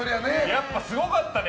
やっぱすごかったね。